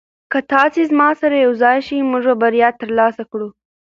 که تاسي زما سره یوځای شئ موږ به بریا ترلاسه کړو.